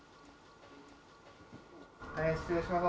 はい失礼します。